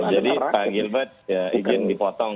jadi pak gilbert izin dipotong